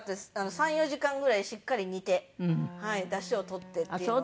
３４時間ぐらいしっかり煮てダシを取ってっていうのを。